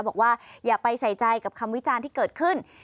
บอกว่าอย่าไปใส่ใจกับคำวิจารณ์ที่เกิดขึ้น